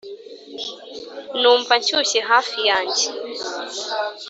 numva nshyushye hafi yanjye,